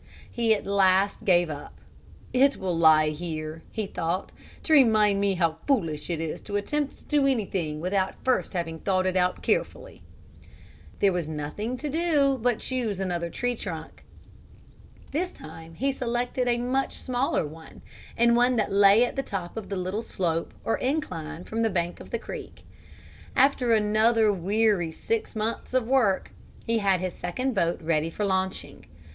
He at last gave it up. "It will lie here," he thought, "to remind me how foolish it is to attempt to do anything without first having thought it out carefully." There was nothing to do but to choose another tree trunk. This time he selected a much smaller one, and one that lay at the top of the little slope or incline from the bank of the creek. After another weary six months of work he had his second boat ready for launching.